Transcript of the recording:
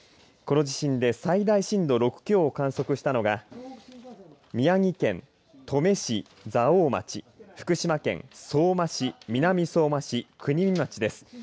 この地震で最大震度６強を観測したのが宮城県登米市蔵王町福島県相馬市、南相馬市国見町です。